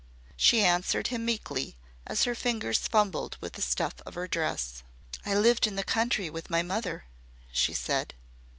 She answered him meekly, as her fingers fumbled with the stuff of her dress. "I lived in the country with my mother," she said.